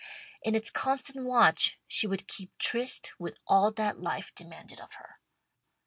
In its constant watch, she would keep tryst with all that Life demanded of her.